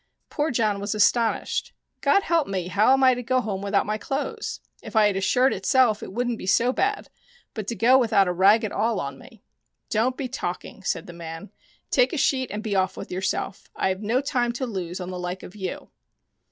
Poor John was astonished. " God help me, how am I to go home without my clothes ? If I had a shirt itself, it wouldn't be so bad ; but to go without a rag at all on me !"" Don't be talking," said the man ;" take a sheet and be off with yourself. I have no time to lose on the like of you."